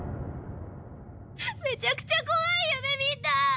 めちゃくちゃ怖い夢見た！